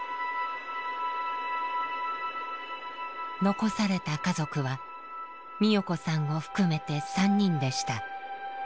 残された家族は美代子さんを含めて３人でした。